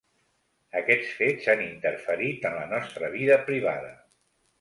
Aquests fets han interferit en la nostra vida privada.